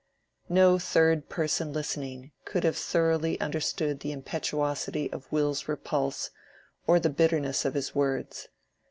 No third person listening could have thoroughly understood the impetuosity of Will's repulse or the bitterness of his words.